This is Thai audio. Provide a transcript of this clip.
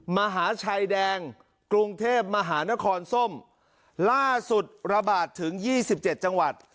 มหาชัยแดงกรุงเทพมหานครส้มล่าสุดระบาดถึงยี่สิบเจ็ดจังหวัด